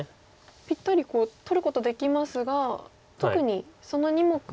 ぴったり取ることできますが特にその２目。